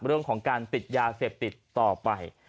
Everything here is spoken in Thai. เรื่องของการติดยาเสพติดต่อไป